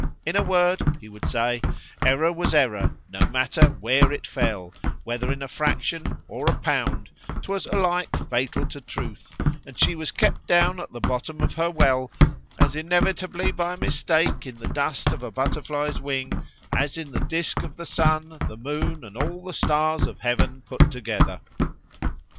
—In a word, he would say, error was error,—no matter where it fell,——whether in a fraction,——or a pound,—'twas alike fatal to truth, and she was kept down at the bottom of her well, as inevitably by a mistake in the dust of a butterfly's wing,——as in the disk of the sun, the moon, and all the stars of heaven put together.